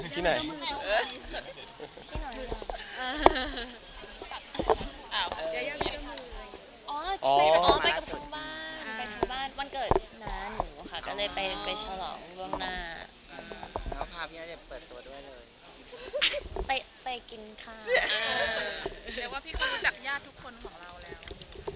แต่ว่าพี่คุณรู้จักยาดทุกคนของเราแล้ว